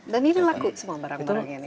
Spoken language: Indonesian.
dan ini laku semua barang barangnya nih